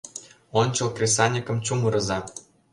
ОНЧЫЛ КРЕСАНЬЫКЫМ ЧУМЫРЫЗА!